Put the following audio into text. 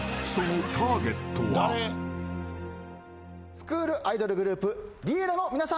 スクールアイドルグループＬｉｅｌｌａ！の皆さんです。